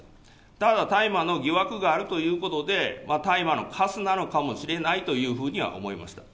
ただ、大麻の疑惑があるということで、大麻のかすなのかもしれないというふうには思いました。